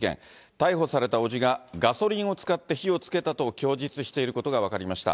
逮捕された伯父が、ガソリンを使って火をつけたと供述していることが分かりました。